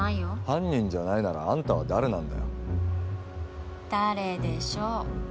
犯人じゃないならあんたは誰なんだよ誰でしょう？